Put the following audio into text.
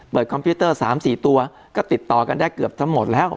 คอมพิวเตอร์๓๔ตัวก็ติดต่อกันได้เกือบทั้งหมดแล้ว